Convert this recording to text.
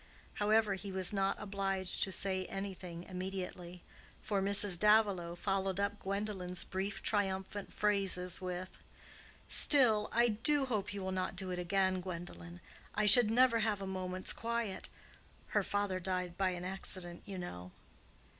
However, he was not obliged to say anything immediately, for Mrs. Davilow followed up Gwendolen's brief triumphant phrases with, "Still, I do hope you will not do it again, Gwendolen. I should never have a moment's quiet. Her father died by an accident, you know."